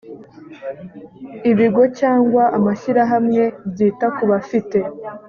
ibigo cyangwa amashyirahamwe byita ku bafite